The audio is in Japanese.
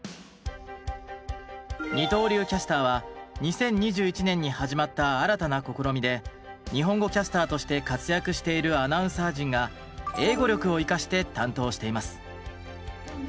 二刀流キャスターは２０２１年に始まった新たな試みで日本語キャスターとして活躍しているアナウンサー陣が英語力を生かして担当しています。